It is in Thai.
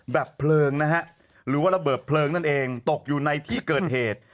เพลิงนะฮะหรือว่าระเบิดเพลิงนั่นเองตกอยู่ในที่เกิดเหตุ